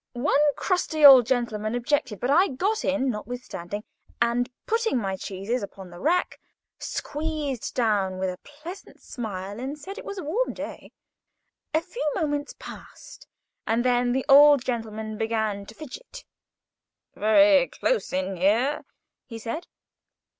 One crusty old gentleman objected, but I got in, notwithstanding; and, putting my cheeses upon the rack, squeezed down with a pleasant smile, and said it was a warm day. A few moments passed, and then the old gentleman began to fidget. "Very close in here," he said.